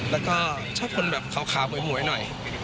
แล้วก็ชอบคนแบบขาวหมวยหน่อย